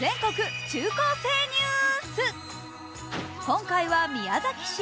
今回は宮崎市。